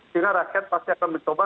sehingga rakyat pasti akan mencoba